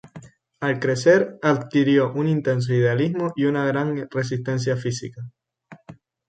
Al crecer, adquirió un intenso idealismo y una gran resistencia física.